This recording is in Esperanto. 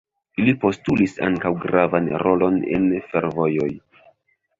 Ili postulis ankaŭ gravan rolon en fervojoj.